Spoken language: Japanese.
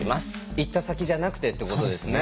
行った先じゃなくてってことですね。